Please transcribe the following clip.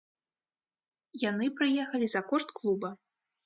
Яны прыехалі за кошт клуба.